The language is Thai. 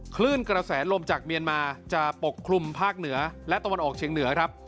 คลื่นกระแสลมจากเมียนมาจะปกคลุมภาคเหนือและตะวันออกเชียงเหนือครับ